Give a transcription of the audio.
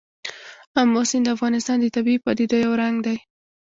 آمو سیند د افغانستان د طبیعي پدیدو یو رنګ دی.